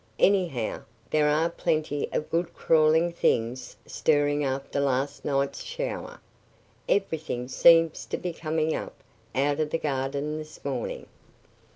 "Anyhow, there are plenty of good crawling things stirring after last night's shower. Everything seems to be coming up out of the garden this morning."